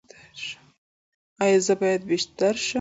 ایا زه باید بستري شم؟